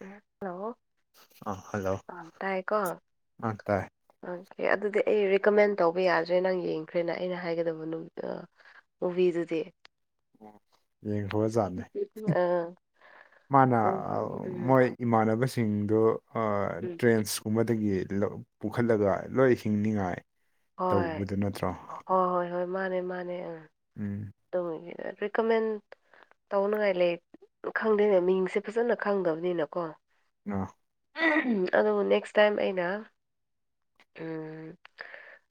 Hello ꯑꯥ hello ꯑ ꯇꯥꯏꯀꯣ ꯑꯥ ꯇꯥꯏ ꯑꯣꯀ ꯑꯗꯨꯗꯤ ꯑꯩ ꯔꯤꯀꯃꯦꯟ ꯇꯧꯕ ꯌꯥꯗ꯭ꯔꯦ ꯅꯪ ꯌꯦꯡꯈ꯭ꯔꯦꯅ ꯑꯩꯅ ꯍꯥꯏꯒꯗꯕ ꯎꯕꯤꯗꯨꯗꯤ ꯎ ꯌꯦꯡꯈꯖꯅꯤ ꯑꯥ ꯃꯥꯥꯟꯅ ꯎꯝ ꯃꯣꯏ ꯎꯝ ꯏꯃꯥꯟꯅꯕꯁꯤꯡꯗꯨ ꯑ ꯇ꯭ꯔꯦꯟꯁ ꯄꯨꯝꯕꯗꯒꯤ ꯄꯨꯈꯠꯂꯒ ꯂꯣꯏ ꯍꯤꯡꯅꯤꯉꯥꯏ ꯍꯣꯏ ꯇꯧꯕꯗꯨ ꯅꯠꯇ꯭ꯔꯣ ꯍꯣꯏ ꯍꯣꯏ ꯍꯣꯏ ꯃꯥꯅꯦ ꯃꯥꯅꯦ ꯎꯝ ꯎꯝ ꯇꯒꯤ ꯔꯤꯀꯃꯦꯟ ꯇꯧꯅꯉꯥꯏ ꯂꯩ ꯈꯪꯗꯣꯏꯅꯦ ꯃꯤꯡꯁꯦ ꯐꯖꯅ ꯈꯪꯗꯕꯅꯤꯅꯀꯣ ꯑ ꯑꯗꯨꯗꯕꯨ ꯅꯦꯛꯁ ꯇꯥꯏꯝ ꯑꯩꯅ ꯎꯝ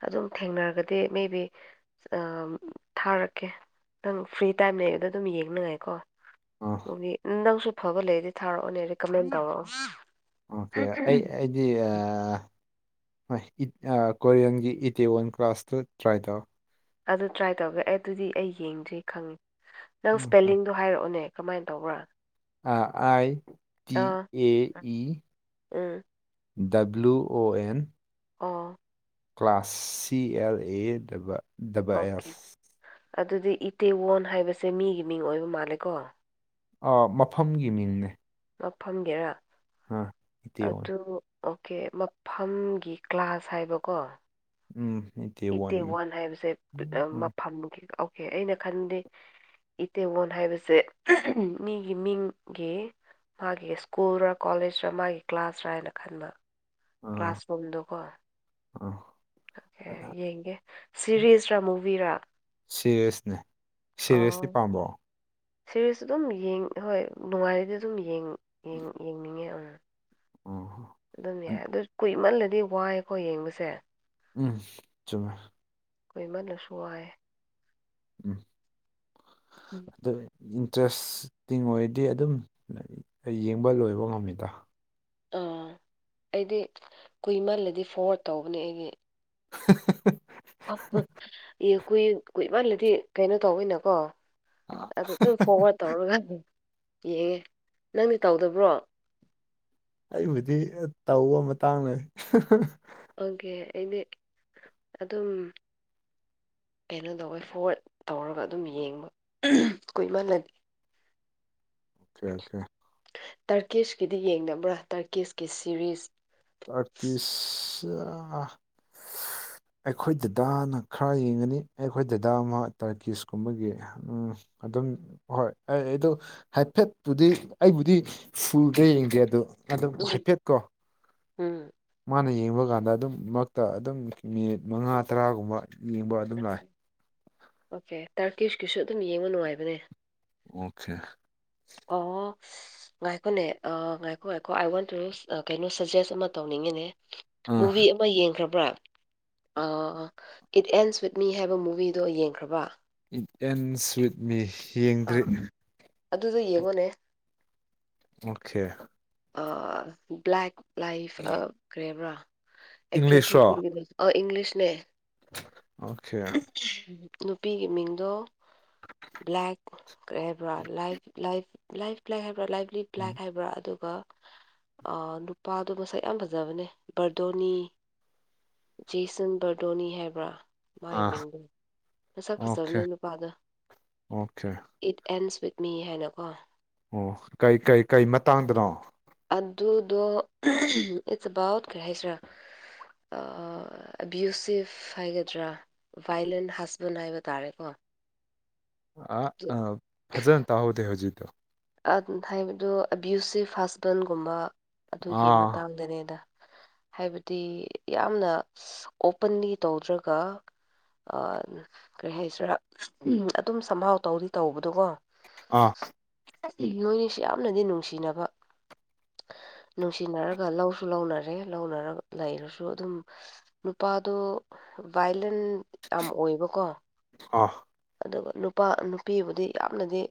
ꯑꯗꯨꯝ ꯊꯦꯡꯅꯔꯒꯗꯤ ꯃꯦꯕꯤ ꯊꯥꯔꯛꯀꯦ ꯅꯪ ꯐ꯭ꯔꯤ ꯇꯥꯏꯝ ꯂꯩꯕꯗꯣ ꯑꯗꯨꯝ ꯌꯦꯡꯅꯉꯥꯏꯀꯣ ꯑꯥ ꯅꯪꯁꯨ ꯐꯕ ꯂꯩꯔꯗꯤ ꯊꯥꯔꯛꯑꯣꯅꯦꯀꯃꯦꯟ ꯇꯧꯔꯛꯑꯣ ꯑꯣꯀꯦ ꯑꯩ ꯑꯥ ꯀꯣꯔꯤꯌꯟꯒꯤ ꯏꯇꯤ ꯋꯥꯟ ꯀ꯭ꯂꯥꯁꯇꯨ ꯇ꯭ꯔꯥꯏ ꯇꯧ ꯑꯗꯨ ꯇ꯭ꯔꯥꯏ ꯇꯧꯒꯦ ꯑꯦ ꯑꯗꯨꯗꯤ ꯑꯩ ꯌꯦꯡꯗ꯭ꯔꯤ ꯈꯪꯉꯦ ꯅꯪ ꯏꯁꯄꯦꯂꯤꯡꯗꯣ ꯍꯥꯏꯔꯛꯑꯣꯅꯦ ꯀꯃꯥꯏꯅ ꯇꯧꯕ꯭ꯔꯥ ꯑ ꯑꯥꯏ ꯇꯤ ꯑꯥ A E um W O N O class ꯁꯤ ꯑꯦꯜ ꯑꯦꯗꯕ ꯑꯣꯀꯦ ꯑꯗꯨꯗꯤ ꯏꯇꯦꯋꯣꯟ ꯍꯥꯏꯕꯁꯦ ꯃꯤꯒꯤ ꯃꯤꯡ ꯑꯣꯏꯕ ꯃꯥꯜꯂꯦꯀꯣ ꯃꯐꯝꯒꯤ ꯃꯤꯡꯅꯦ ꯉꯐꯝꯒꯦꯔꯥ ꯑꯥ ꯑꯩꯠꯇꯤ ꯋꯥꯟ ꯑꯗꯨ ꯑꯣꯀꯦ ꯃꯐꯝꯒꯤ ꯀ꯭ꯂꯥꯁ ꯍꯥꯏꯕꯀꯣ ꯎꯝ ꯍ ꯑꯩꯠꯇꯤ ꯋꯥꯟ ꯍꯥꯏꯕꯁꯦ ꯃꯐꯝ ꯑꯣꯀꯦ ꯑꯩꯅ ꯈꯟꯗꯦ ꯏꯇꯦꯒꯣꯟ ꯍꯥꯏꯕꯁꯦ ꯃꯤꯒꯤ ꯃꯤꯡꯒꯤ ꯃꯥꯒꯤ ꯁ꯭ꯀꯨꯜꯔ ꯀꯣꯂꯦꯖꯔ ꯃꯥꯒꯤ ꯀ꯭ꯂꯥꯁꯔ ꯍꯥꯏꯅ ꯈꯟꯕ ꯑꯥ ꯀ꯭ꯂꯥꯁꯔꯨꯝꯗꯣꯀꯣ ꯑꯥ ꯑꯣꯀꯦ ꯌꯦꯡꯒꯦ ꯁꯤꯔꯤꯁꯔꯥ ꯃꯨꯚꯤꯔꯥ ꯁꯤꯔꯦꯁꯅꯦ ꯁꯤꯔꯦꯁꯇꯤ ꯄꯥꯝꯕꯣ ꯁꯤꯦꯔꯤꯁ ꯑꯗꯨꯝ ꯍꯣꯏ ꯅꯨꯡꯉꯥꯏꯔꯗꯤ ꯑꯗꯨꯝ ꯌꯦꯡꯅꯤꯡꯉꯦ ꯑ ꯑꯗꯨꯝ ꯌꯥꯏ ꯑꯗꯨ ꯀꯨꯏꯃꯜꯂꯗꯤ ꯋꯥꯏꯀꯣ ꯌꯦꯡꯕꯁꯦ ꯎꯝ ꯆꯨꯝꯃꯦ ꯀꯨꯢꯃꯜꯂꯁꯨ ꯋꯥꯢꯌꯦ ꯎꯝ [unintelligible] ꯎꯝ ꯑꯗꯨ ꯏꯟꯇꯔꯦꯁꯇꯤꯡ ꯑꯣꯏꯔꯗꯤ ꯑꯗꯨꯝ ꯌꯦꯡꯕ ꯂꯣꯏꯕ ꯉꯝꯃꯤꯗ ꯑꯥ ꯑꯩꯗꯤ ꯀꯨꯏꯃꯜꯂꯗꯤ ꯐꯣꯔꯋꯥ꯭ꯔꯗ ꯇꯧꯕꯅꯦ ꯑꯩꯒꯤ [unintelligible] ꯑ ꯀꯨꯏ ꯀꯨꯏꯃꯜꯂꯗꯤ ꯀꯩꯅꯣ ꯇꯧꯋꯦꯅꯀꯣ ꯑꯗꯨ ꯑꯗꯨꯝ ꯐꯣꯔꯋꯥ꯭ꫪꯗ ꯇꯧꯔꯒ ꯌꯦꯡꯉꯦ ꯅꯪꯗꯤ ꯇꯧꯗꯕ꯭ꯔꯣ ꯑꯩꯕꯨꯗꯤ ꯇꯧꯕ ꯃꯇꯥꯡꯅ ꯑꯣꯒ‌ꯦ ꯑꯩꯗꯤ ꯑꯗꯨꯝ ꯀꯩꯅꯣ ꯇꯧꯋꯦ ꯐꯣꯔꯋꯥ꯭ꫪꯗ ꯇꯧꯔꯒ ꯑꯗꯨꯝ ꯌꯦꯡꯕ ꯀꯨꯏꯃꯜꯂ ꯑꯣꯀꯦ ꯑꯣꯀꯦ ꯇ꯭ꯔꯀꯤꯁꯀꯤꯗꯤ ꯌꯦꯡꯗꯕ꯭ꯔꯥ ꯇ꯭ꯔꯀꯤꯁꯀꯤ ꯁꯤꯔꯤꯁ ꯇ꯭ꯔꯀꯤꯁ [unintelligible] ꯑꯩꯈꯣꯏ ꯗꯗꯥꯅ ꯈꯔ ꯌꯦꯡꯒꯅꯤ ꯑꯩꯈꯣꯏ ꯗꯗꯥ ꯑꯃ ꯇꯔꯀꯤꯁ ꯀꯨꯝꯕꯒꯤ ꯎꯝ ꯑꯗꯨꯝ ꯍꯣꯏ ꯑꯩ ꯑꯩꯗꯣ ꯍꯥꯏꯐꯦꯠꯄꯨꯗꯤ ꯑꯩꯕꯨꯗꯤ ꯐꯨꯜꯗ ꯌꯦꯡꯗꯦ ꯑꯗꯨ ꯑꯗꯨꯝ ꯍꯥꯏꯐꯦꯠꯀꯣ ꯎꯝ ꯃꯥꯅ ꯌꯦꯡꯕ ꯀꯥꯟꯗ ꯑꯗꯨꯝ ꯃꯛꯇ ꯑꯗꯨꯝ ꯃꯤꯅꯤꯠ ꯃꯉꯥ ꯇꯔꯥꯒꯨꯝꯕ ꯌꯦꯡꯕ ꯑꯗꯨꯝ ꯂꯥꯛꯑꯦ ꯑꯣꯀꯦ ꯇꯥꯔꯀꯤꯁꯀꯤꯁꯨ ꯑꯗꯨꯝ ꯌꯦꯡꯕ ꯅꯨꯡꯉꯥꯏꯕꯅꯦ ꯑꯣꯀꯦ ꯑꯣ ꯉꯥꯏꯈꯣꯅꯦ ꯉꯥꯏꯈꯣ ꯉꯥꯏꯈꯣ ꯑꯥꯏ ꯋꯥꯟ ꯇꯨ [unintelligible] ꯀꯩꯅꯣ ꯁꯖꯦꯁ ꯑꯃ ꯇꯧꯅꯤꯡꯉ‌ꯦꯅꯦ ꯑꯥ ꯃꯨꯚꯤ ꯃꯥ ꯌꯦꯡꯈ꯭ꯔꯕ꯭ꯔꯥ ꯑꯥ ꯏꯠ ꯑꯦꯟꯁ ꯋꯤꯠ ꯃꯤ ꯍꯥꯏꯕ ꯃꯨꯚꯤꯗꯣ ꯌꯦꯡꯈ꯭ꯔꯕꯥ ꯏꯠ ꯑꯦꯟꯁ ꯋꯤꯠꯃꯤ ꯌꯦꯡꯗ꯭ꯔꯤ ꯑꯥ ꯑꯗꯨꯗꯣ ꯌꯦꯡꯉꯣꯅꯦ ꯑꯣꯈꯦ ꯑꯥ ꯕ꯭ꯂꯦꯛ ꯂꯥꯏꯐ ꯑꯥ ꯀꯔꯤꯕ꯭ꯔꯥ ꯑꯦꯛꯇ꯭ꯔꯦꯁ ꯏꯪꯂꯤꯁꯔꯣ ꯅꯨꯄꯤꯒꯤꯗ ꯑ ꯏꯪꯂꯤꯁꯅꯦ ꯑꯣꯀꯦ ꯅꯨꯄꯤꯒꯤ ꯃꯤꯡꯗꯣ ꯕ꯭ꯂꯦꯛ ꯀꯔꯤ ꯍꯥꯏꯕ꯭ꯔꯥ ꯂꯥꯏ ꯂꯥꯏꯐ ꯂꯥꯏꯐ ꯂꯥꯏ ꯍꯥꯏꯕ꯭ꯔꯥ ꯂꯥꯏꯐ ꯔꯤꯕ꯭ꯂ‌ꯦꯛ ꯍꯥꯏꯕ꯭ꯔꯥ ꯑꯗꯨ ꯑꯗꯨꯒ ꯑꯥ ꯅꯨꯄꯥꯗꯣ ꯃꯁꯛ ꯌꯥꯝ ꯐꯖꯕꯅꯦ ꯕ꯭ꯔꯗꯣꯅꯤ ꯖꯦꯁꯟ ꯕꯔꯗꯣꯅꯤ ꯍꯥꯏꯕ꯭ꯔꯥ ꯃꯥꯏ ꯑꯥ ꯃꯤꯡꯗ‌ꯣ ꯃꯁꯛ ꯑꯣꯀꯦ ꯐꯖꯕꯅꯦ ꯅꯨꯄꯥꯗ‌ꯣ ꯑꯣꯀꯦ ꯏꯠ ꯑꯦꯟꯁ ꯋꯤꯠ ꯃꯤ ꯍꯥꯏꯅꯀꯣ ꯑꯣ ꯀꯩ ꯀꯩ ꯀꯩ ꯃꯇꯥꯡꯗꯅꯣ ꯑꯗꯨꯗꯣ ꯏꯠꯁ ꯑꯕꯥꯎꯠ ꯀꯔꯤ ꯍꯥꯏꯁꯤꯔꯥ ꯑ ꯑꯕ꯭ꯌꯨꯁꯤꯐ ꯍꯥꯏꯒꯗ꯭ꯔꯥ ꯚꯥꯏꯂꯦꯟ ꯍꯁꯕꯦꯟ ꯍꯥꯏꯕ ꯇꯥꯔꯦꯀꯣ ꯑ ꯑꯝ ꯐꯖꯟ ꯇꯥꯍꯧꯗꯦ ꯍꯧꯖꯤꯠꯇꯣ ꯎꯟ ꯍꯥꯏꯕꯗꯣ ꯑꯕ꯭ꯌꯨꯁꯁꯤ ꯍꯁꯕꯦꯟꯒꯨꯝꯕ ꯑꯗꯨꯒꯤ ꯑꯥ ꯃꯇꯥꯡꯗꯅꯦꯗ ꯍꯥꯏꯕꯗꯤ ꯌꯥꯝꯅ ꯑꯣꯄꯟꯂꯤ ꯇꯧꯗ꯭ꯔꯒ ꯀꯔꯤ ꯍꯥꯏꯁꯤꯔꯥ ꯎ ꯑꯗꯨꯝ ꯁꯝꯍꯥꯎ ꯇꯧꯗꯤ ꯇꯧꯕꯗ‌ꯣꯀꯣ ꯑ ꯃꯣꯏꯅꯤꯁꯤ ꯌꯥꯝꯅꯗꯤ ꯅꯨꯡꯁꯤꯅꯕ ꯅꯨꯡꯁꯤꯅꯔꯒ ꯂꯧꯁꯨ ꯂꯧꯅꯔꯦ ꯂꯧꯅꯔ ꯂꯩꯔꯁꯨ ꯑꯗꯨꯝ ꯅꯨꯄꯥꯗꯣ ꯚꯥꯏꯂꯦꯟ ꯌꯥꯝ ꯑꯣꯏꯕꯀꯣ ꯑ ꯑꯗꯨꯒ ꯅꯨꯄꯥ ꯅꯨꯄꯤꯕꯨꯗꯤ ꯌꯥꯝꯅꯗꯤ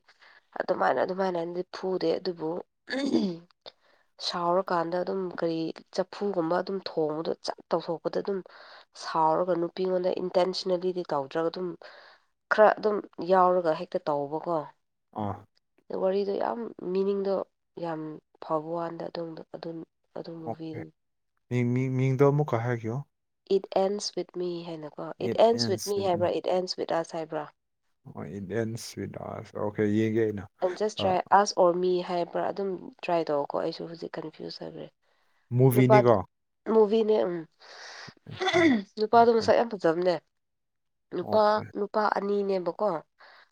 ꯑꯗꯨꯃꯥꯏꯅ ꯑꯗꯨꯃꯥꯏꯅꯗꯤ ꯐꯨꯗꯦ ꯑꯗꯨꯕꯨ [unintelligible] ꯁꯥꯎꯔꯀꯥꯟꯗ ꯑꯗꯨꯝ ꯀꯔꯤ ꯆꯐꯨꯒꯨꯝꯕ ꯑꯗꯨꯝ ꯊꯣꯡꯕꯗꯣ ꯆꯞ ꯇꯧꯊꯣꯛꯄꯗ ꯑꯗꯨꯝ ꯁꯥꯎꯔꯒ ꯅꯨꯄꯤꯉꯣꯟꯗ ꯏꯟꯇꯦꯟꯁꯅꯦꯜꯂꯤꯗꯤ ꯇꯧꯗ꯭ꯔꯒ ꯑꯗꯨꯝ ꯈꯔ ꯗꯨꯝ ꯌꯥꯎꯔꯒ ꯍꯦꯛꯇ ꯇꯧꯕꯀꯣ ꯑꯣꯃꯥ ꯗꯣ ꯋꯥꯔꯤꯗꯣ ꯌꯥꯝ ꯃꯤꯅꯤꯡꯗꯣ ꯌꯥꯝ ꯐꯕ ꯋꯥꯥꯟꯗ ꯑꯗꯣꯝꯗꯣ ꯑꯗꯨꯝ ꯑꯣ [unintelligible] ꯃꯤ ꯃꯤ ꯃꯤꯡꯗꯣ ꯑꯃꯨꯛꯀ ꯍꯥꯏꯒꯦꯌꯣ ꯏꯠ ꯑꯦꯟꯁ ꯋꯤꯠ ꯃꯤ ꯍꯥꯏꯅꯀꯣ ꯏꯠ ꯑꯦꯟꯁ ꯋꯤꯠ ꯃꯤ ꯍꯥꯏꯕ꯭ꯔꯥ ꯏꯠ ꯑꯦꯟꯁ ꯋꯤꯠ ꯑꯁ ꯍꯥꯏꯕ꯭ꯔꯥ ꯑꯣ ꯏꯟ ꯑꯦꯟꯁ ꯋꯤꯠ ꯑꯁ ꯑꯣꯀꯦ ꯌꯦꯡꯒꯦ ꯑꯩꯅ ꯖꯁ ꯑꯥ ꯇ꯭ꯔꯥꯏ ꯑꯁ ꯑꯣꯔ ꯃꯤ ꯍꯥꯏꯕ꯭ꯔꯥ ꯑꯗꯨꯝ ꯇ꯭ꯔꯥꯏ ꯇꯧꯀꯣ ꯑꯩꯁꯨ ꯍꯧꯖꯤꯛ ꯀꯟꯐ꯭ꯌꯨꯁ ꯆꯠꯔꯦ ꯅꯨꯄꯥꯗꯨ ꯃꯨꯚꯤꯅꯤꯀꯣ ꯃꯨꯚꯤꯅꯦ ꯎꯝ ꯅꯨꯄꯥꯗꯨ ꯑꯣꯀꯦ ꯃꯁꯛ ꯌꯥꯝ ꯐ ꯖꯝꯅꯦ ꯅꯨꯄꯥ ꯑꯣꯀꯦ ꯅꯨꯄꯥ ꯑꯅꯤꯅꯦꯕꯀꯣ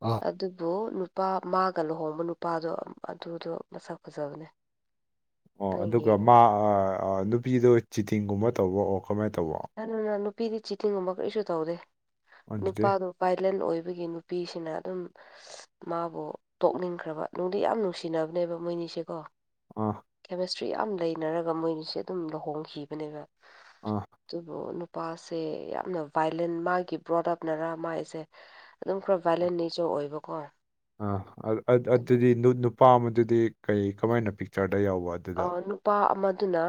ꯑꯥ ꯑꯗꯨꯕꯨ ꯅꯨꯄꯥ ꯃꯥꯒ ꯂꯨꯍꯣꯡꯕ ꯅꯨꯄꯥꯗꯣ ꯑꯗꯨꯗꯣ ꯃꯁꯛ ꯐꯖꯕꯅꯦ ꯑꯣ ꯅꯪ ꯑꯗꯨꯒ ꯃꯥ ꯌꯦꯡꯉꯒ ꯑ ꯑ ꯅꯨꯄꯤꯗꯣ ꯆꯤꯇꯤꯡꯒꯨꯝꯕ ꯇꯧꯕ ꯑꯣ ꯀꯃꯥꯏ ꯇꯧꯕꯣ [unintelligible] ꯅ ꯅꯨꯄꯤꯗꯤ ꯆꯤꯇꯤꯡꯒꯨꯝꯕ ꯀꯔꯤꯁꯨ ꯇꯧꯗꯦ ꯑꯗꯨꯗꯤ ꯅꯨꯄꯥꯗꯣ ꯚꯥꯏꯂꯦꯟ ꯑꯣꯏꯕꯒꯤ ꯅꯨꯄꯤꯁꯤꯅ ꯑꯗꯨꯝ ꯃꯥꯕꯨ ꯇꯣꯛꯅꯤꯡꯈ꯭ꯔꯕ ꯅꯨꯡꯗꯤ ꯌꯥꯝ ꯅꯨꯡꯁꯤꯅꯕꯅꯦꯕ ꯃꯣꯏꯅꯤꯁꯦꯀꯣ ꯑꯣ ꯀꯦꯃꯤꯁꯇ꯭ꯔꯤ ꯌꯥꯝ ꯂꯩꯅꯔꯒ ꯃꯣꯏꯅꯤꯁꯦ ꯑꯗꯨꯝ ꯂꯨꯍꯣꯡꯈꯤꯕꯅꯦꯕ ꯑꯥ ꯇꯨꯕꯨ ꯅꯨꯄꯥꯁꯦ ꯌꯥꯝꯅ ꯚꯥꯏꯂꯦꯟ ꯃꯥꯒꯤ ꯄ꯭ꯔꯣꯗꯛ ꯅꯔꯥ ꯃꯥꯏꯁꯦ ꯑꯗꯨꯝ ꯈꯔ ꯚꯥꯏꯂꯦꯟ ꯅꯦꯆꯔ ꯑꯣꯏꯕꯀꯣ ꯑ ꯑꯜ ꯑ ꯑ ꯑꯗꯨꯕꯨ ꯑꯗꯨꯗꯤ ꯅꯨ ꯅꯨꯄꯥ ꯑꯃꯗꯨꯗꯤ ꯀꯩ ꯀꯃꯥꯏꯅ ꯄꯤꯛꯆꯔꯗ ꯌꯥꯎꯕ ꯑꯗꯨꯗ ꯑ ꯅꯨꯄꯥ ꯑꯃꯗꯨꯅ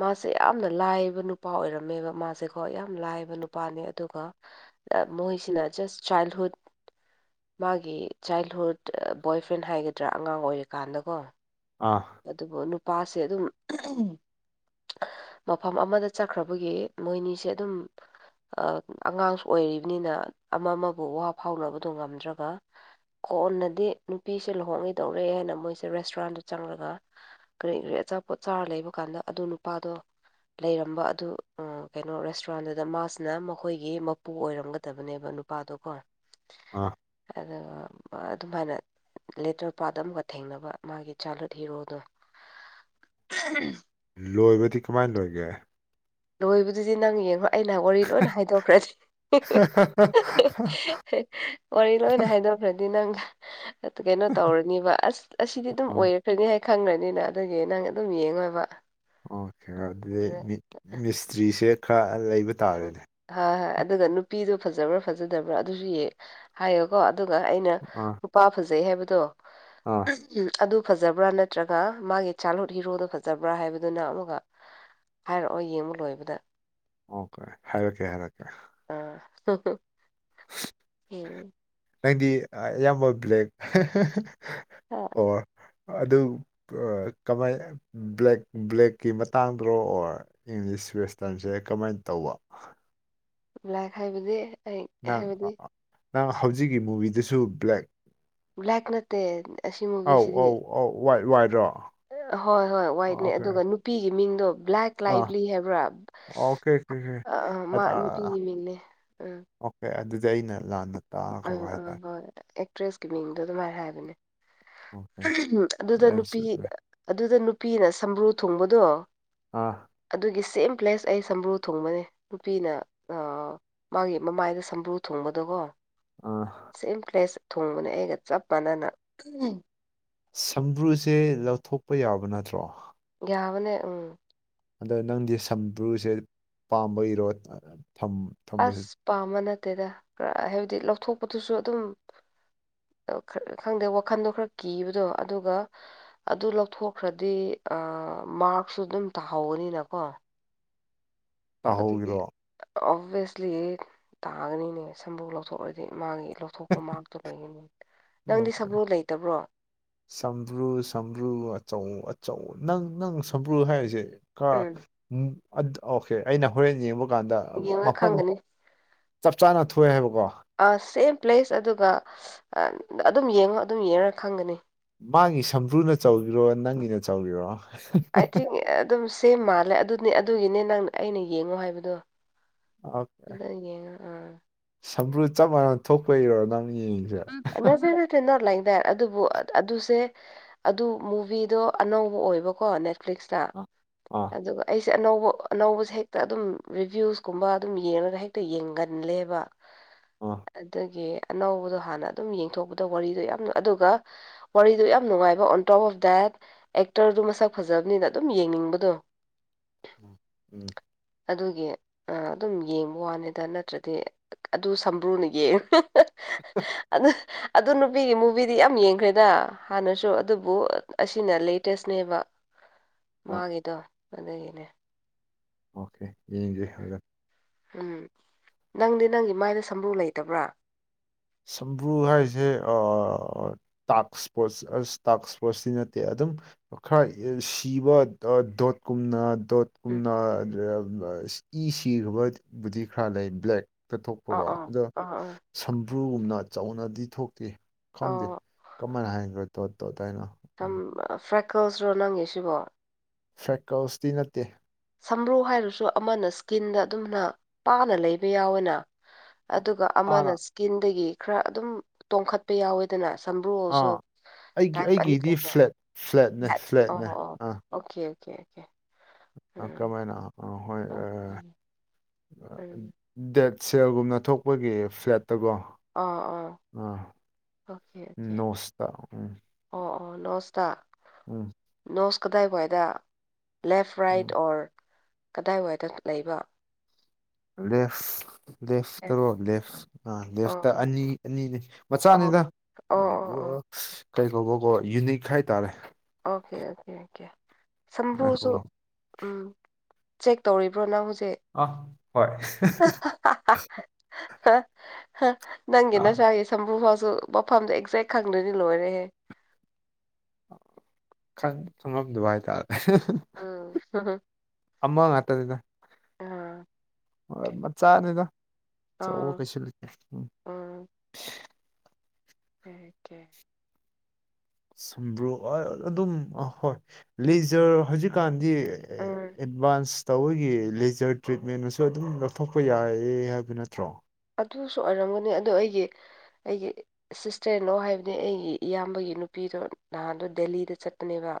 ꯃꯥꯁꯦ ꯌꯥꯝꯅ ꯂꯥꯏꯕ ꯅꯨꯄꯥ ꯑꯣꯏꯔꯝꯃꯦꯕ ꯃꯥꯁꯦꯀꯣ ꯌꯥꯝ ꯂꯥꯏꯕ ꯅꯨꯄꯥꯅꯦ ꯑꯗꯨꯒ ꯇ ꯃꯣꯏꯁꯤꯅ ꯖꯁ ꯆꯥꯏꯜꯍꯨꯗ ꯃꯥꯒꯤ ꯆꯥꯏꯜꯍꯨꯗ ꯑ ꯕꯣꯏꯐ꯭ꯔꯦꯟ ꯍꯥꯏꯒꯗ꯭ꯔꯥ ꯑꯉꯥꯡ ꯑꯣꯏꯔꯤꯀꯥꯟꯗꯀꯣ ꯑꯥ ꯑꯗꯨꯕꯨ ꯅꯨꯄꯥꯁꯦ ꯑꯗꯨꯝ [unintelligible] ꯃꯐꯝ ꯑꯃꯗ ꯆꯠꯈ꯭ꯔꯕꯒꯤ ꯃꯣꯏꯅꯤꯁꯦ ꯑꯗꯨꯝ ꯑ ꯑꯉꯥꯡꯁꯨ ꯑꯣꯏꯔꯤꯝꯅꯤꯅ ꯑꯃ ꯃꯕꯨ ꯋꯥ ꯐꯥꯎꯅꯕꯗꯣ ꯉꯝꯗ꯭ꯔꯒ ꯀꯣꯟꯅꯗꯤ ꯅꯨꯄꯤꯁꯦ ꯂꯨꯍꯣꯡꯉꯤꯗꯧꯔꯦ ꯍꯥꯏꯅ ꯃꯣꯏꯁꯦ ꯔꯦꯁꯇꯨꯔꯥꯟꯗ ꯆꯪꯂ ꯕ ꯀ꯭ꯔꯤ ꯀ꯭ꯔꯤ ꯑꯆꯥꯄꯣꯠ ꯆꯥꯔ ꯂꯩꯕ ꯀꯥꯟꯗ ꯑꯗꯨ ꯅꯨꯄꯥꯗꯣ ꯂꯩꯔꯝꯕ ꯑꯗꯨ ꯑ ꯀꯩꯅꯣ ꯔꯦꯁꯇꯨꯔꯥꯟꯗꯨꯗ ꯃꯥꯁꯤꯅ ꯃꯈꯣꯏꯒꯤ ꯃꯄꯨ ꯑꯣꯏꯔꯝꯒꯗꯕꯅꯦꯕ ꯄꯥꯗꯣꯀꯣ ꯑꯥ ꯑꯗꯨꯒ ꯑꯗꯨꯝꯍꯥꯏꯅ ꯂꯦꯇ꯭ꯔ ꯄꯥꯠ ꯑꯃꯒ ꯊꯦꯡꯅꯕ ꯃꯥꯒꯤ ꯆꯥꯏꯜꯍꯨꯗ ꯊꯤꯔꯣꯗꯣ ꯂꯣꯏꯕꯗꯤ ꯀꯃꯥꯏꯅ ꯂꯣꯏꯒꯦ ꯂꯣꯏꯕꯗꯨꯗꯤ ꯅꯪ ꯌꯦꯡꯉꯣ ꯑꯩꯅ ꯋꯥꯔꯤ ꯂꯣꯏꯅ ꯍꯥꯏꯗꯣꯛꯈ꯭ꯔꯗꯤ ꯃꯔꯤ ꯂꯣꯏ ꯅꯍꯍꯤꯗ ꯍꯥꯏꯗꯤ ꯅꯪ ꯀꯩꯅꯣ ꯇꯧꯔꯅꯤꯕ ꯑꯁ ꯑꯁꯤꯗꯤ ꯗꯨꯝ ꯑꯥ ꯑꯣꯏꯔꯛꯈ꯭ꯔꯅꯤ ꯍꯥꯏ ꯈꯪꯈ꯭ꯔꯅꯤꯅ ꯑꯗꯨꯒꯤ ꯅꯪ ꯑꯗꯨꯝ ꯌꯦꯡꯉꯣꯏꯕ ꯑꯣꯀꯦ ꯑꯗꯨꯗꯤ ꯎꯝ ꯃꯤꯠ ꯃꯤꯁꯇ꯭ꯔꯤꯁꯦ ꯈ꯭ꯔ ꯂꯩꯕ ꯇꯥꯔꯦꯅꯦ ꯍ ꯑꯗꯨꯒ ꯅꯨꯄꯤꯗꯣ ꯐꯖꯕ꯭ꯔꯥ ꯐꯖꯗꯕ꯭ꯔꯥ ꯑꯗꯨꯁꯨ ꯌꯦꯡ ꯍꯥꯏꯌꯣꯀꯣ ꯑꯗꯨꯒ ꯑꯩꯅ ꯑꯥ ꯄꯨꯄꯥ ꯐꯖꯩ ꯍꯥꯏꯕꯗꯣ ꯑꯥ ꯎꯝ ꯑꯗꯨ ꯐꯖꯕ꯭ꯔꯥ ꯅꯠꯇ꯭ꯔꯒ ꯃꯥꯒꯤ ꯆꯥꯏꯜꯍꯨꯗ ꯍꯤꯔꯣꯗꯣ ꯐꯖꯕ꯭ꯔꯥ ꯍꯥꯏꯕꯗꯨꯅ ꯑꯃꯒ ꯍꯥꯏꯔꯛꯑꯣ ꯌꯦꯡꯕ ꯂꯣꯏꯕꯗ ꯑꯣꯀꯦ ꯍꯥꯏꯔꯛꯀꯦ ꯍꯥꯏꯔꯀꯦ ꯑꯥ ꯎꯝ ꯅꯪꯗꯤ ꯑꯌꯥꯝꯕ ꯕ꯭ꯂꯦꯛ ꯍ ꯑꯣ ꯑꯗꯨ ꯀꯃꯥꯏ ꯕ꯭ꯂꯦꯛ ꯕ꯭ꯂꯦꯛꯀꯤ ꯃꯇꯥꯡꯗꯨꯔꯣ ꯑꯣꯔ ꯏꯪꯂꯤꯁ ꯋꯦꯁꯇꯝꯁꯦ ꯀꯃꯥꯏꯅ ꯇꯧꯕ ꯕꯂꯥꯏ ꯈꯥꯏꯕꯨꯗꯤ ꯅꯪ ꯅꯪ ꯍꯧꯖꯤꯛꯀꯤ ꯃꯨꯚꯤꯗꯨꯁꯨ ꯕ꯭ꯂꯦꯛ ꯕ꯭ꯂꯦꯛ ꯅꯠꯇꯦ ꯑꯁꯤ ꯃꯨꯕꯤꯁꯤꯗꯤ ꯑꯣ ꯋꯥꯏ ꯋꯥꯏꯗ꯭ꯔꯣ ꯍꯣꯏ ꯍꯣꯏ ꯋꯥꯏꯠꯅꯦ ꯑꯗꯨꯒ ꯅꯨꯄꯤꯒꯤ ꯃꯤꯡꯗꯣ ꯕ꯭ꯂꯦꯛ ꯑꯥ ꯂꯥꯏꯚꯂꯤ ꯍꯥꯏꯕ꯭ꯔꯥ ꯑꯣꯀꯦ ꯑꯣꯀꯦ ꯑꯥ ꯑꯥ ꯃꯥ ꯑꯣꯀꯦ ꯅꯨꯄꯤꯒꯤ ꯃꯤꯅꯦ ꯎꯝ ꯑꯣꯀꯦ ꯑꯗꯨꯗꯤ ꯑꯩꯅ ꯂꯥꯟꯅ ꯇꯥꯈ꯭ꯔꯕ ꯑꯥ ꯑꯥ ꯍꯥꯏꯇꯥꯔꯦ ꯍꯣꯏ ꯑꯦꯛꯇ꯭ꯔꯦꯁꯀꯤ ꯃꯤꯡꯗꯣ ꯑꯗꯨꯃꯥꯏꯅ ꯍꯥꯏꯕꯅꯦ ꯑꯣꯀꯦ ꯑꯗꯨꯗ ꯅꯨꯄꯤ ꯗꯦꯠꯁ ꯃꯤ. ꯑꯗꯨꯗ ꯅꯨꯄꯤꯅ ꯁꯝꯝꯕ꯭ꯔꯨ ꯊꯣꯡꯕꯗꯣ ꯑꯥ ꯑꯗꯨꯒꯤ ꯁꯦꯝ ꯄ꯭ꯂꯦꯁ ꯑꯩ ꯁꯝꯕ꯭ꯔꯨ ꯊꯣꯡꯕꯅꯦ ꯅꯨꯄꯤꯅ ꯃꯥꯒꯤ ꯃꯃꯥꯏꯗ ꯁꯝꯕ꯭ꯔꯨ ꯊꯣꯡꯕꯗꯒꯣ ꯑꯥ ꯁꯦꯝ ꯄ꯭ꯔꯦꯁ ꯊꯣꯡꯕꯅꯦ ꯑꯩꯒ ꯆꯞ ꯃꯥꯟꯅꯅ ꯁꯝꯕ꯭ꯔꯨꯁꯦ ꯂꯧꯊꯣꯛꯄ ꯌꯥꯕ ꯅꯠꯇ꯭ꯔꯣ ꯌꯥꯕꯅꯦ ꯎꯝ ꯑꯗꯣ ꯅꯪꯗꯤ ꯁꯝꯄ꯭ꯔꯨꯁꯦ ꯄꯥꯝꯕꯒꯤꯔꯣ ꯊꯝ ꯊꯝꯕꯁꯦ ꯑꯁ ꯄꯥꯝꯕ ꯅꯠꯇꯦꯗ ꯈꯔ ꯍꯥꯏꯕꯗꯤ ꯂꯧꯊꯣꯛꯄꯗꯨꯁꯨ ꯑꯗꯨꯝ ꯈꯪꯗꯦ ꯋꯥꯈꯟꯗꯣ ꯈꯔ ꯀꯤꯕꯗꯣ ꯑꯗꯨꯒ ꯑꯗꯨ ꯂꯧꯊꯣꯛꯈ꯭ꯔꯗꯤ ꯃꯥꯛꯔꯁꯁꯨ ꯑꯗꯨꯝ ꯇꯥꯍꯧꯧꯕꯅꯤꯅꯀꯣ ꯑꯗꯨꯒꯤ ꯇꯥꯍꯧꯒꯤꯔꯣ ꯑꯣꯚꯁꯂꯤ ꯇꯥꯒꯅꯤꯅꯦ ꯁꯝꯕꯨꯨ ꯂꯧꯊꯣꯛꯂꯗꯤ ꯃꯥꯒꯤ ꯂꯧꯊꯣꯛ ꯊꯣꯛꯄ ꯃꯥꯔꯛꯇꯣ ꯂꯩꯒꯅꯤ ꯅꯪꯗꯤ ꯑꯣꯀꯦ ꯁꯕ꯭ꯔꯣ ꯂꯩꯇꯕ꯭ꯔꯣ ꯁꯝꯕ꯭ꯔꯨ ꯁꯝꯕ꯭ꯔꯨ ꯑꯆꯧ ꯑꯆꯧ ꯅꯪ ꯅꯪ ꯁꯝꯕ꯭ꯔꯨ ꯍꯥꯏꯔꯤꯁꯦ ꯎꯝ ꯑꯣꯀꯦ ꯑꯩꯅ ꯍꯣꯔꯦꯟ ꯌꯦꯡꯕ ꯀꯥꯟꯗ ꯌꯦꯡꯉ ꯃꯐꯝ ꯈꯪꯒꯅꯤ ꯆꯞ ꯆꯥꯅ ꯊꯣꯛꯑꯦ ꯍꯥꯏꯕꯀꯣ ꯁꯦꯝ ꯄ꯭ꯂꯦꯁ ꯑꯗꯨꯒ ꯑꯗꯨꯝ ꯌꯦꯡꯉꯣ ꯑꯗꯨꯝ ꯌꯦꯡꯉ ꯈꯪꯒꯅꯤ ꯃꯥꯒꯤ ꯁꯝꯕ꯭ꯔꯨꯅ ꯆꯥꯎꯧꯔꯣ ꯅꯪꯒꯤꯅ ꯇꯧꯒꯤꯔꯣ ꯑꯥꯏ ꯊꯤꯡ ꯑꯗꯨꯝ ꯁꯦꯝ ꯃꯥꯜꯂꯦ ꯑꯗꯨꯅꯦ ꯑꯗꯨꯒꯤꯅꯦ ꯅꯪ ꯑꯩꯅ ꯌꯦꯡꯉꯣ ꯍꯥꯏꯕꯗꯣ ꯑꯗꯨ ꯌꯦꯦ ꯑꯥ ꯁꯝꯄ꯭ꯔꯨ ꯆꯞ ꯃꯥꯟꯅ ꯊꯣꯛꯄꯩꯔꯣ ꯅꯪ ꯌꯦꯡꯉꯤ ꯅꯠꯇ ꯅꯠꯇ ꯅ ꯂꯥꯏꯗꯥꯏ ꯑꯗꯨꯕꯨ ꯑꯗꯨꯁꯦ ꯑꯗꯨ ꯃꯨꯚꯤꯗꯣ ꯑꯅꯧꯕ ꯑꯣꯏꯕꯀꯣ ꯅꯦꯠꯐ꯭ꯂꯤꯛꯁꯇ ꯑꯥ ꯑꯗꯨꯒ ꯑꯩꯁꯦ ꯑꯅꯧꯕ ꯑꯅꯧꯕꯁꯦ ꯍꯦꯛꯇ ꯑꯗꯨꯝ ꯔꯤꯚ꯭ꯌꯨꯁꯀꯨꯝꯕ ꯑꯗꯨꯝ ꯌꯦꯡꯉꯒ ꯍꯦꯛꯇ ꯌꯦꯡꯒꯜꯂꯦꯕ ꯑꯥ ꯑꯗꯒꯤ ꯑꯅꯧꯕꯗꯣ ꯍꯥꯟꯅ ꯑꯗꯨꯝ ꯌꯦꯡꯊꯣꯛꯄꯗꯣ ꯋꯥꯔꯤꯗꯣ ꯌꯥꯝ ꯑꯗꯨꯒ ꯋꯥꯔꯤꯗꯣ ꯌꯥꯝ ꯅꯨꯡꯉꯥꯏꯕ ꯑꯣꯟ ꯇꯣꯞ ꯑꯣꯞ ꯗꯦꯠ ꯑꯦꯛꯇꯔꯗꯨ ꯃꯁꯛ ꯐꯖꯕꯅꯤꯅ ꯑꯗꯨꯝ ꯌꯦꯡꯅꯤꯡꯕꯗꯣ ꯎꯝ ꯑꯗꯨꯒꯤ ꯑꯗꯨꯝ ꯌꯦꯡꯕ ꯋꯥꯅꯤꯗ ꯅꯠꯇ꯭ꯔꯗꯤ ꯑꯗꯨ ꯁꯝꯕ꯭ꯔꯨꯅ ꯌꯦꯡꯉꯨ ꯑꯗꯨ ꯑꯗꯨ ꯅꯨꯄꯤꯒꯤ ꯃꯨꯚꯤꯗꯤ ꯌꯥꯝ ꯌꯦꯡꯈ꯭ꯔꯦꯗ ꯍꯥꯟꯅꯁꯨ ꯑꯗꯨꯕꯨ ꯑꯁꯤꯅ ꯂꯦꯇꯦꯁꯅꯦꯕ ꯑꯥ ꯃꯥꯒꯤꯗꯣ ꯑꯗꯨꯒꯤꯅꯦ ꯑꯣꯀꯦ ꯌꯦꯡꯁꯦ ꯍꯖꯦ ꯎꯝ ꯅꯪꯗꯤ ꯅꯪꯒꯤ ꯃꯥꯏꯗ ꯁꯝꯕ꯭ꯔꯨ ꯂꯩꯇꯕ꯭ꯔꯥ ꯁꯝꯕ꯭ꯔꯨ ꯍꯥꯏꯁꯦ ꯇꯥꯛ ꯏꯁꯄꯣꯔꯠꯁ ꯑꯁ ꯇꯥꯛ ꯏꯁꯄꯣꯔꯠꯁꯇꯤ ꯅꯠꯇꯦ ꯑꯗꯨꯝ ꯈꯔ ꯁꯤꯕ ꯗꯣꯠꯀꯨꯝꯅ ꯎꯝ ꯇꯣꯠꯀꯨꯝꯅ ꯏ ꯁꯤꯈꯕꯕꯨꯗꯤ ꯈꯔ ꯂꯩ ꯕ꯭ꯂꯦꯛ ꯑꯣ ꯄꯊꯣꯛꯄꯒꯣ ꯑꯣ ꯑꯗ ꯑꯣ ꯑꯣ ꯁꯝꯕ꯭ꯔꯨꯒꯨꯝꯅ ꯆꯥꯎꯅꯗꯤ ꯊꯣꯛꯇꯦ ꯈꯪꯗꯦ ꯑꯣ ꯀꯃꯟ ꯍꯥꯏꯈ꯭ꯔꯣ ꯇꯣꯠ ꯇꯣꯠ ꯍꯥꯏꯅ ꯊꯝ ꯐ꯭ꯔꯦꯛ ꯀꯔꯜꯁ ꯔꯣ ꯅꯉꯦ ꯁꯤꯕꯣ ꯐꯦꯀꯜꯁꯇꯤ ꯅꯠꯇꯦ ꯁꯝ꯭ꯔꯨ ꯍꯥꯏꯔꯁꯨ ꯑꯃꯅ ꯏꯁꯀꯤꯟꯗ ꯑꯗꯨꯝꯅ ꯄꯥꯅ ꯂꯩꯕ ꯌꯥꯎꯋꯦꯅ ꯑꯗꯨꯒ ꯑꯃꯅ ꯍꯥꯟꯅ ꯏꯁꯀꯤꯟꯗꯒꯤ ꯈꯔ ꯑꯗꯨꯝ ꯇꯣꯡꯈꯠ ꯍꯥꯄ ꯌꯥꯎꯋꯦꯗꯅ ꯁꯝꯕ꯭ꯔꯨꯁꯨ ꯑꯥ ꯑꯩꯒꯤ ꯇꯥꯏꯞ ꯑꯅꯤ ꯑꯩꯒꯤꯗꯤ ꯂꯩꯕ ꯐ꯭ꯂꯦꯠ ꯐ꯭ꯂꯦꯠꯅꯦ ꯑꯣ ꯐ꯭ꯂꯦꯠꯅꯦ ꯑꯣ ꯑꯣꯀꯦ ꯑꯣꯀꯦ ꯑꯣꯀꯦ ꯑ ꯀꯃꯥꯏꯅ ꯑꯥ ꯍꯣꯏ ꯑꯣ ꯎꯝ ꯑꯥ, ꯗꯦꯠ ꯁꯦꯜꯒꯨꯝꯅ ꯊꯣꯛꯄꯒꯤ ꯐ꯭ꯂꯦꯠꯇꯕꯣ ꯑꯥ ꯑꯥ ꯑ ꯑꯣꯀꯦ ꯑꯣꯀꯦ ꯅꯣꯁꯇ ꯎꯝ ꯑꯣ ꯑꯣ ꯅꯁꯇꯥ ꯎꯝ ꯅꯣꯁ ꯀꯗꯥꯏꯋꯥꯏꯗ ꯂꯦꯐ ꯔꯥꯏꯠ ꯎꯝ ꯑꯣꯔ ꯀꯗꯥꯏꯋꯥꯏꯗ ꯂꯩꯕ ꯂꯦ ꯂꯦꯁ ꯇꯔꯣ ꯂꯦꯁ ꯑ ꯂꯦꯐꯇ ꯑꯣ ꯑꯅꯤ ꯑꯅꯤꯅꯤ ꯑꯣ ꯃꯆꯥꯅꯤꯗ ꯑꯣ ꯑꯣ ꯑꯣ ꯀꯩ ꯀꯧꯕꯧꯕꯀꯣ ꯌꯨꯅꯤꯛ ꯍꯥꯏꯇꯥꯔꯦ ꯑꯣꯀꯦ ꯑꯣꯀꯦ ꯑꯣꯀꯦ ꯁꯝꯕꯨꯁꯨꯨ ꯉꯥꯏꯈꯣꯀꯣ ꯎꯝ ꯆꯦꯛ ꯇꯧꯔꯤꯕ꯭ꯔꯣ ꯅꯪ ꯍꯧꯖꯤꯛ ꯑ ꯍꯣꯏ ꯑꯥ ꯊꯝꯝꯕ꯭ꯔꯨ ꯐꯥꯎꯁꯨ ꯃꯐꯝꯗꯣ ꯑꯦꯛꯖꯦꯛ ꯈꯪꯗꯣꯏꯅꯤ ꯂꯣꯏꯔꯦꯍꯦ [inaudible] ꯁꯪꯐꯝꯝꯗꯨ ꯍꯥꯏꯇꯥꯔꯦ ꯎ ꯍ ꯑꯃ ꯉꯇꯗ ꯑꯥ ꯍꯣꯏ ꯃꯆꯥꯅꯤꯅ ꯑꯣ ꯑ ꯀꯩꯁꯨꯂꯨꯀꯦ ꯎꯝ ꯎꯝꯀꯦ ꯁꯝꯕ꯭ꯔꯨ ꯑꯗꯨꯝ ꯑ ꯍꯣꯏ ꯂꯖꯔ ꯍꯧꯖꯤꯛ ꯀꯥꯟ ꯎꯝ ꯑꯦꯗꯚꯥꯟꯁ ꯇꯧꯕꯒꯤ ꯂꯦꯖꯔ ꯇ꯭ꯔꯤꯠꯃꯦꯟꯁꯨ ꯑꯗꯨꯝ ꯂꯧꯊꯣꯛꯄ ꯌꯥꯏꯌꯦ ꯍꯥꯏꯕ ꯅꯠꯇ꯭ꯔꯣ ꯑꯗꯨꯁꯨ ꯑꯣꯏꯔꯝꯒꯅꯤ ꯑꯗꯨ ꯑꯩꯒꯤ ꯑꯩꯒꯤ ꯁꯤꯁꯇꯔꯅꯣ ꯍꯥꯏꯕꯅꯦ ꯑꯩꯒꯤ ꯏꯌꯥꯝꯕꯒꯤ ꯅꯨꯄꯤꯗꯣ ꯅꯍꯥꯟꯗꯣ ꯗꯦꯜꯂꯤꯗ ꯆꯠꯄꯅꯦꯕ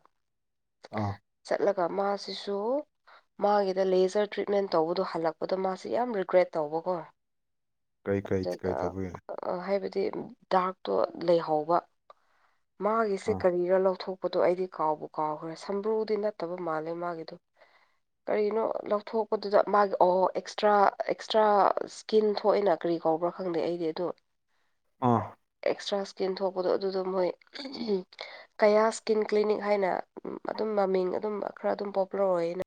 ꯑꯥ ꯆꯠꯂꯒ ꯃꯥꯁꯤꯁꯨ ꯃꯥꯒꯤꯗ ꯂꯦꯖꯔ ꯇ꯭ꯔꯤꯠꯃꯦꯟ ꯇꯧꯕꯗꯣ ꯍꯜꯂꯛꯄꯗꯣ ꯃꯥꯁꯤ ꯌꯥꯝ ꯔꯤꯒ꯭ꯔꯦꯠ ꯇꯧꯕꯀꯣ ꯀꯩ ꯀꯩ ꯀꯔꯤ ꯑꯗꯨꯒ ꯊꯧꯕꯒꯦ ꯍꯥꯏꯕꯗꯤ ꯗꯥꯛꯛꯇꯣ ꯂꯩꯍꯧꯕ ꯃꯥꯒꯤꯁꯦ ꯑꯥ ꯀꯔꯤꯔ ꯂꯧꯊꯣꯛ ꯄꯣꯠꯇꯣ ꯑꯩꯗꯤ ꯀꯥꯎꯕ ꯀꯥꯎꯈ꯭ꯔꯦ ꯁꯝꯕ꯭ꯔꯨꯗꯤ ꯅꯠꯇꯕ ꯃꯥꯜꯂꯦ ꯃꯥꯒꯤꯗꯣ ꯀꯔꯤꯅꯣ ꯂꯧꯊꯣꯛꯄꯗꯨꯗ ꯃꯥꯒꯤ ꯑꯣ ꯑꯦꯛꯁꯇ꯭ꯔꯥ ꯑꯦꯛꯁꯇ꯭ꯔꯥ ꯁ꯭ꯀꯤꯟ ꯊꯣꯛꯏꯅ ꯀꯔꯤ ꯀꯧꯕ꯭ꯔꯥ ꯈꯪꯗꯦ ꯑꯩꯗꯤ ꯑꯗꯣ ꯑꯥ ꯑꯦꯛꯁꯇ꯭ꯔꯥ ꯇꯦꯟꯊꯣꯛꯄꯗꯣ ꯑꯗꯨꯗ ꯃꯣꯏ ꯀꯌꯥ ꯏꯁꯀꯤꯟ ꯀ꯭ꯂꯤꯅꯤꯛ ꯍꯥꯏꯅ ꯑꯗꯨꯝ ꯃꯃꯤꯡ ꯑꯗꯨꯝ ꯈꯔ ꯑꯗꯨꯝ ꯄꯣꯄꯨꯂꯔ ꯑꯣꯏꯌꯦꯅ